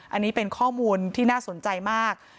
อันนี้เป็นข้อมูลที่น่าสนใจมาก